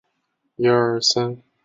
带出旅馆边吃午餐